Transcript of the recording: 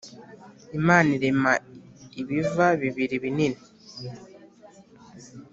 Imana irema ibiva bibiri binini